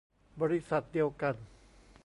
บริษัทเดียวกัน